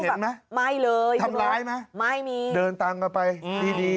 ไม่เลยใช่ไหมทำร้ายมั้ยไม่มีเดินตามมาไปเนี้ยดี